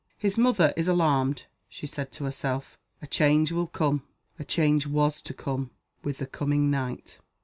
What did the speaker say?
"His mother is alarmed," she said to herself. "A change will come." A change was to come with the coming night.